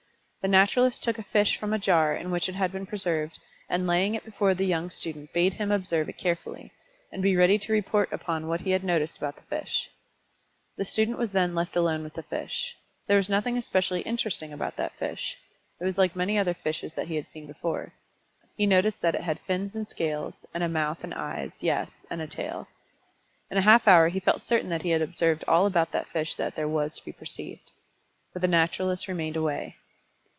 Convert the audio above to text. The naturalist took a fish from a jar in which it had been preserved, and laying it before the young student bade him observe it carefully, and be ready to report upon what he had noticed about the fish. The student was then left alone with the fish. There was nothing especially interesting about that fish it was like many other fishes that he had seen before. He noticed that it had fins and scales, and a mouth and eyes, yes, and a tail. In a half hour he felt certain that he had observed all about that fish that there was to be perceived. But the naturalist remained away.